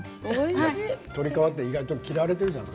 鶏皮って意外と嫌われてるじゃない。